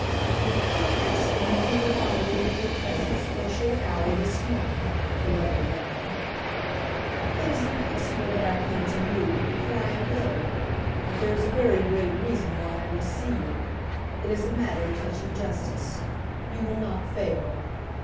"I am asking if you will honor me with your presence for a short hour this morning," the letter ran. "It is impossible that I come to you, for I am ill. But there is a very great reason why I must see you. It is a matter touching justice. You will not fail."